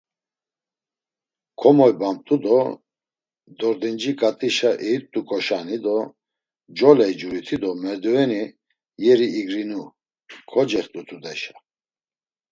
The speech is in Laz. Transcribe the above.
Komoybamt̆u do dordinci ǩat̆işa eyit̆uǩoşani do coley curiti do, merduveni yeri igrinu, kocext̆u tudeşa.